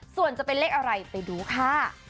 ส่วนจะเป็นเลขอะไรไปดูค่ะ